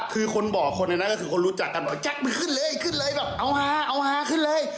คือคนบอกคนในนั้นก็คือคนรู้จักกันบอกแจ็คมือขึ้นเลยขึ้นเลยแบบเอาฮาเอาฮาขึ้นเลย